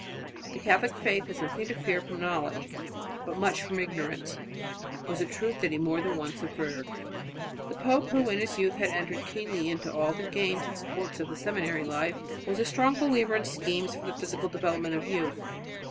"The Catholic faith has nothing to fear from knowledge, but much from ignorance," was a truth that he more than once averred. The pope, who in his youth had entered keenly into all the games and sports of the seminary life, was a strong believer in schemes for the physical development of youth.